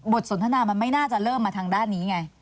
สนทนามันไม่น่าจะเริ่มมาทางด้านนี้ไง